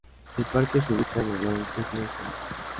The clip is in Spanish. El parque se ubica en el Long Island Sound.